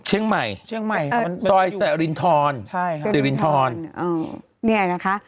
เชียงใหม่เชียงใหม่ค่ะซอยสรินทรใช่ค่ะสิรินทรอ่าเนี่ยนะคะ